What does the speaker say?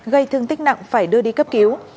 gây thương tích nặng phải đưa đi cấp cứu